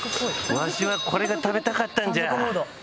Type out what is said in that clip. わしはこれが食べたかったんじゃ！